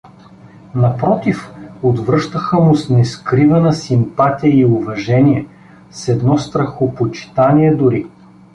Напротив, отвръщаха му с нескривана симпатия и уважение, с едно страхопочитание дори.